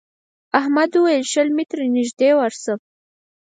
احمد وويل: شل متره نږدې ورشه.